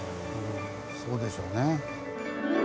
そうでしょうね。